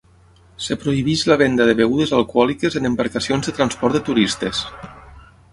Es prohibeix la venda de begudes alcohòliques en embarcacions de transport de turistes.